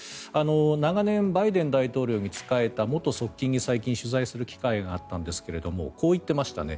長年、バイデン大統領に仕えた元側近に最近、取材する機会があったんですけれどもこう言っていましたね。